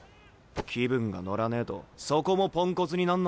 気分が乗らねえとそこもポンコツになんのか？